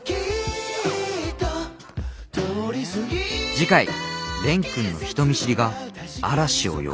次回蓮くんの人見知りが嵐を呼ぶ？